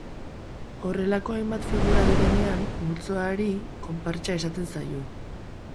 Horrelako hainbat figura direnean, multzoari konpartsa esaten zaio.